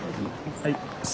はい。